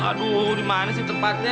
aduh dimana sih tempatnya